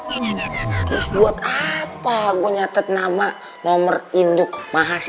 terus buat apa gue nyetet nama nomor induk mahasiswa